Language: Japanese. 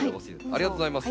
ありがとうございます。